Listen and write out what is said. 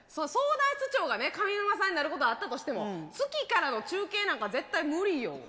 相談室長がね上沼さんになることはあったとしても月からの中継なんか絶対無理よ。